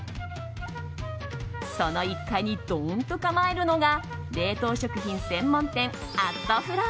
その１階にどーんと構えるのが冷凍食品専門店、＠ＦＲＯＺＥＮ。